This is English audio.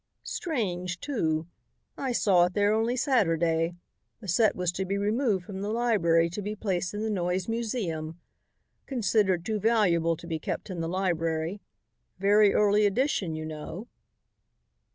"Strange, too. I saw it there only Saturday. The set was to be removed from the library to be placed in the Noyes museum. Considered too valuable to be kept in the library. Very early edition, you know.